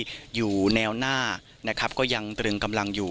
อยู่แนวหน้านะครับก็ยังตรึงกำลังอยู่